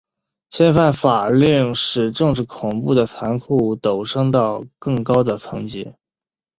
嫌疑犯法令使政治恐怖的残酷陡升到更高的层级。